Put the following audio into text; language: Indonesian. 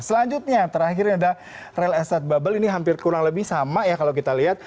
selanjutnya terakhir ini ada real estate bubble ini hampir kurang lebih sama ya kalau kita lihat